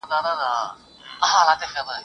جهاني له دې مالته مرور دي قسمتونه !.